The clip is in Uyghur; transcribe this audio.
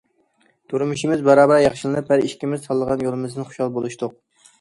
تۇرمۇشىمىز بارا- بارا ياخشىلىنىپ، ھەر ئىككىمىز تاللىغان يولىمىزدىن خۇشال بولۇشتۇق.